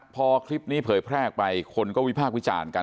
พอคลิปนี้เผยแพร่ออกไปคนก็วิพากษ์วิจารณ์กัน